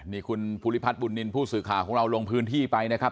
นี่คุณภูริพัฒน์บุญนินทร์ผู้สื่อข่าวของเราลงพื้นที่ไปนะครับ